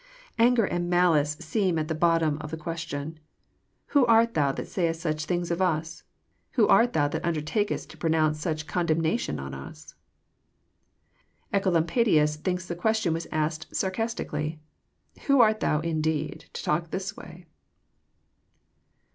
Anger and malice seem at the bottom of the question —" Who art thou that sayest such things of us? Who art thou that undertakest to pronounce such condemnation on us ?Ecolampadlus thinks the question was asked sarcastically. ^" Who art thou, indeed, to talk in this way